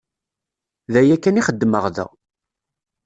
D aya kan i xeddmeɣ da.